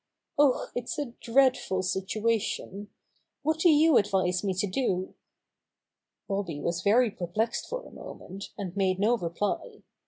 Oh, it's a dreadful situation! What do you advise me to do?" Bobby was very perplexed for a moment, and made no reply.